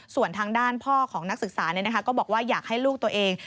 ส่วนทางด้านพ่อของนักศึกษาก็บอกว่าอยากให้ลูกตัวเอง